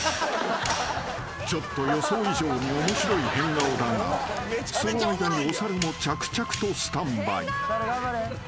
［ちょっと予想以上に面白い変顔だがその間にお猿も着々とスタンバイ］